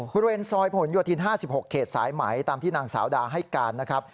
บริเวณซอยผลโยธิน๕๖เขตสายไหมตามที่นางสาวดาให้การนะครับ